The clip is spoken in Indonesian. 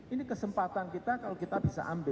ini kesempatan kita kalau kita bisa ambil